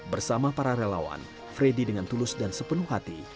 bersama para relawan freddy dengan tulus dan sepenuh hati